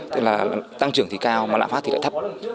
tức là tăng trưởng thì cao mà lãng phát thì lại thấp